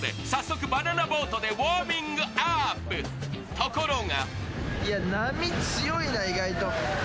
ところが！